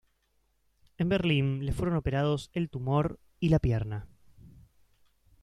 En Berlín, le fueron operados el tumor y la pierna.